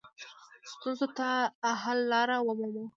ستونزو ته حل لارې ومومو.